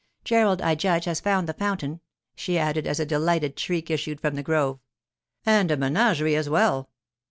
Gerald, I judge, has found the fountain,' she added as a delighted shriek issued from the grove. 'And a menagerie as well.